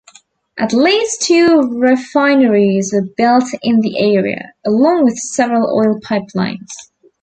At least two refineries were built in the area, along with several oil pipelines.